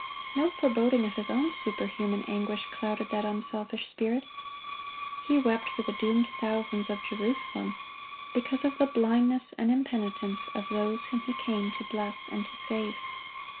No foreboding of His own superhuman anguish clouded that unselfish spirit. He wept for the doomed thousands of Jerusalem—because of the blindness and impenitence of those whom He came to bless and to save.